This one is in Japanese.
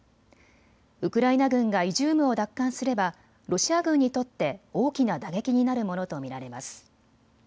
ウクライナ軍がイジュームを奪還すればロシア軍にとって大きな打撃になるものと見られます。